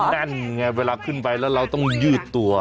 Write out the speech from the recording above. นั่นไงเวลาขึ้นไปแล้วเราต้องยืดตัว